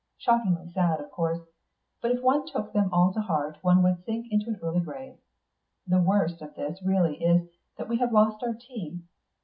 Shockingly sad, of course; but if one took them all to heart one would sink into an early grave. The worst of this really is that we have lost our tea.